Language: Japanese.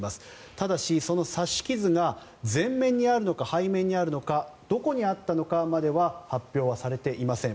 ただし、その刺し傷が前面にあるのか背面にあるのかどこにあったのかまでは発表はされていません。